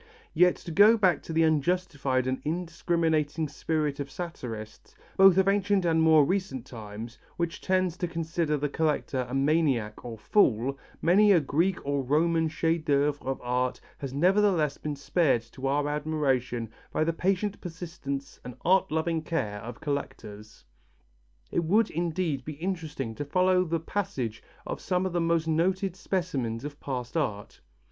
Yet, to go back to the unjustified and indiscriminating spirit of satirists, both of ancient and more recent times, which tends to consider the collector a maniac or fool, many a Greek and Roman chef d'œuvre of art has nevertheless been spared to our admiration by the patient persistence and art loving care of collectors. It would, indeed, be interesting to follow the passage of some of the most noted specimens of past art.